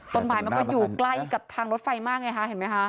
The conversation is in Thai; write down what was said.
ต้นไม้มันก็อยู่ใกล้กับทางรถไฟมากไงคะเห็นไหมคะ